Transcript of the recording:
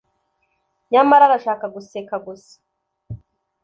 Nyamara arashaka guseka gusa